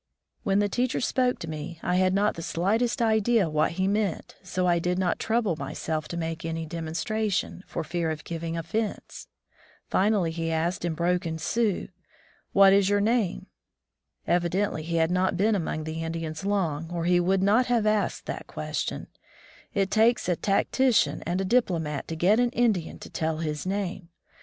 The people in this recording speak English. When the teacher spoke to me, I had not the slightest idea what he meant, so I did not trouble myself to make any demonstration, for fear of giving offense. Finally he asked in broken Sioux: "What is your name?'* Evidently he had not been among the Indians long, or he would not have asked that ques tion. It takes a tactician and a diplomat to get an Indian to tell his name!